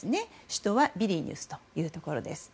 首都ビリニュスというところです。